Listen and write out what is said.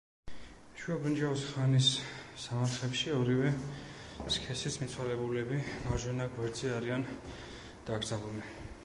შუა ბრინჯაოს ხანის სამარხებში ორივე სქესის მიცვალებულები მარჯვენა გვერდზე არიან დაკრძალული.